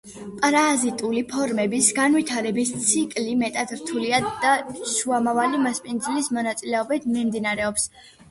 პარაზიტული ფორმების განვითარების ციკლი მეტად რთულია და შუამავალი მასპინძლის მონაწილეობით მიმდინარეობს.